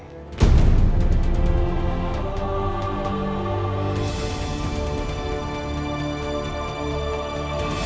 kalau nvm mau men